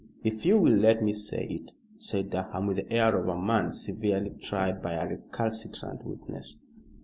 "If you will let me say it," said Durham, with the air of a man severely tried by a recalcitrant witness.